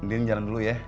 nanti ini jalan dulu ya